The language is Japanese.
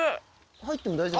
入っても大丈夫？